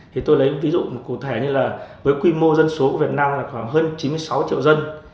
thì tôi lấy ví dụ cụ thể như là với quy mô dân số của việt nam là khoảng hơn chín mươi sáu triệu dân